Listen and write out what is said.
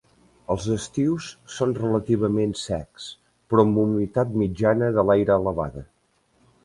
Els estius són relativament secs però amb humitat mitjana de l'aire elevada.